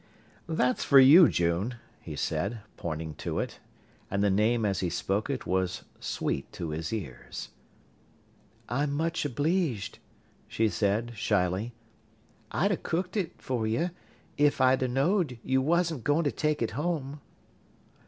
"That's for you, June," he said, pointing to it, and the name as he spoke it was sweet to his ears. "I'm much obleeged," she said, shyly. "I'd 'a' cooked hit fer ye if I'd 'a' knowed you wasn't goin' to take hit home."